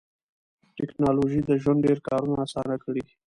ټکنالوژي د ژوند ډېر کارونه اسانه کړي